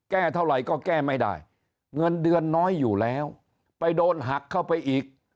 แก้เท่าไหร่ก็แก้ไม่ได้เงินเดือนน้อยอยู่แล้วไปโดนหักเข้าไปอีก